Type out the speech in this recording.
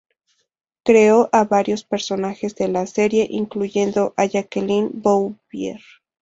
Creó a varios personajes de la serie, incluyendo a Jacqueline Bouvier.